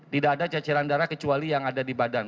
tidak ada ceceran darah kecuali yang ada di badan